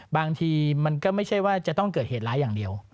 บางทีมันก็ไม่ใช่ว่าจะต้องเกิดเหตุร้ายอย่างเดียว